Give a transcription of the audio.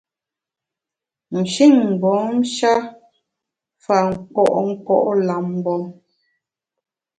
Nshin mgbom-sha fa nkpo’ nkpo’ lam mgbom.